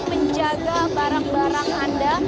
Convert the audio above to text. menjaga barang barang anda